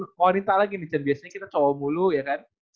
ke wanita lagi nih cen biasanya kita cowok mulu ya kan